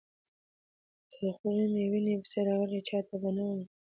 تر خولې مي وېني پسي راغلې، چاته به نه وايم د خپل مېني رازونه